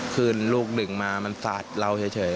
คือลูกหนึ่งมามันสาดเราเฉย